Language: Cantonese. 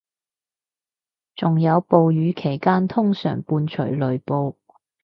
仲有暴雨期間通常伴隨雷暴